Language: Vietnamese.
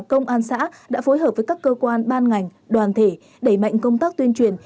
công an xã đã phối hợp với các cơ quan ban ngành đoàn thể đẩy mạnh công tác tuyên truyền